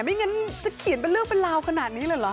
ไม่งั้นจะเขียนเป็นเรื่องเป็นราวขนาดนี้เลยเหรอ